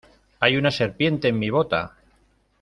Hay una serpiente en mi bota.